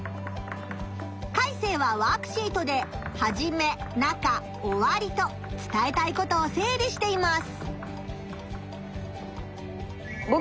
カイセイはワークシートではじめ中おわりと伝えたいことを整理しています。